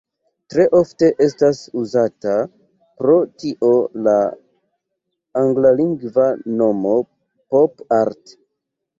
Tre ofte estas uzata pro tio la anglalingva nomo "pop art".